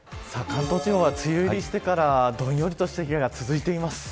関東地方は梅雨入りしてからどんよりとした日が続いています。